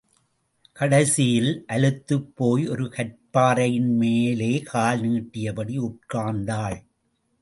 கடைசியில் அலுத்துப் போய் ஒரு கற்பாறையின் மேலே கால் நீட்டியபடி உட்கார்ந்தாள்.